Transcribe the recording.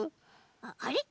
あれ？